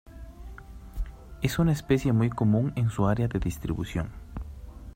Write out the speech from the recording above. Es una especie muy común en su área de distribución.